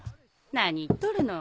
何言っとるの。